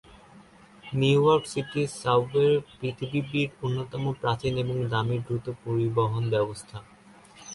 New York City subway পৃথিবীড় অন্যতম প্রাচীন এবং দামী দ্রুত পরিবহন ব্যবস্থা।